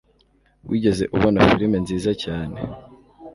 Wigeze ubona firime nziza cyane?